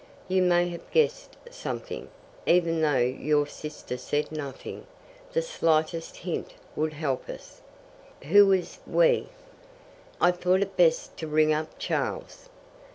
You may have guessed something, even though your sister said nothing. The slightest hint would help us." "Who is 'we'?" "I thought it best to ring up Charles."